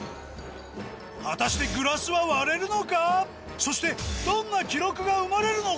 果たしてグラスはそしてどんな記録が生まれるのか？